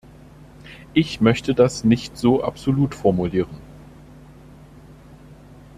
Ich möchte das nicht so absolut formulieren.